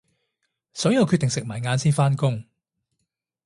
所以我決定食埋晏先返工